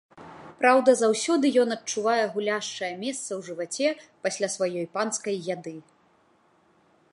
Праўда, заўсёды ён адчувае гуляшчае месца ў жываце пасля сваёй панскай яды.